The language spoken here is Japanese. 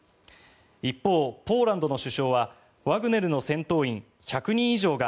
一方、ポーランドの首相はワグネルの戦闘員１００人以上が